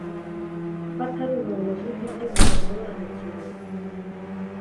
ko atari umuntu uvuga ibyo adasobanukiwe.